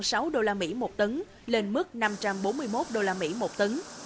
năm mươi sáu usd một tấn lên mức năm trăm bốn mươi một usd một tấn